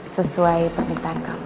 sesuai permintaan kamu